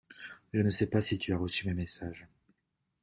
Je ne sais pas si tu as reçu mes messages.